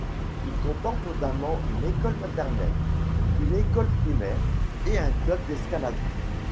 Il comporte notamment une école maternelle, une école primaire, et un club d'escalade.